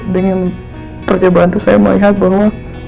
dengan percobaan itu saya melihat bahwa